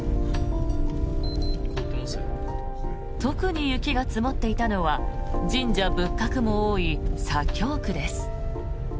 特に雪が積もっていたのは神社・仏閣も多い左京区です。